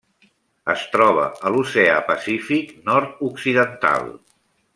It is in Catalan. Es troba a l'Oceà Pacífic nord-occidental.